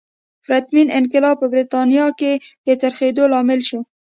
پرتمین انقلاب په برېټانیا کې د څرخېدو لامل شو.